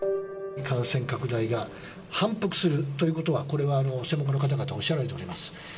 感染拡大が反復するということは、これは専門家の方々もおっしゃられております。